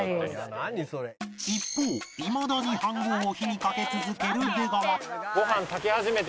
一方いまだに飯ごうを火にかけ続ける出川